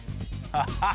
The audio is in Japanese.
ああ。